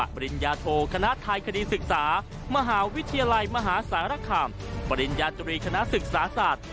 ปริญญาโทคณะไทยคดีศึกษามหาวิทยาลัยมหาสารคามปริญญาตรีคณะศึกษาศาสตร์